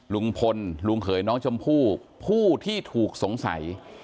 ลุงพลลุงเขยน้องชมพู่ผู้ที่ถูกสงสัย